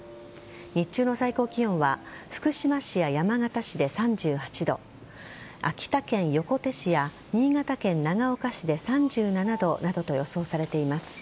日中の最高気温は福島市や山形市で３８度秋田県横手市や新潟県長岡市で３７度などと予想されています。